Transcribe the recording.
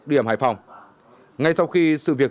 điểm hải phòng ngay sau khi sự việc